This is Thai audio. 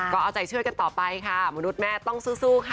ก็เอาใจช่วยกันต่อไปค่ะมนุษย์แม่ต้องสู้ค่ะ